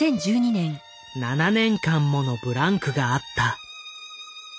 ７年間ものブランクがあった。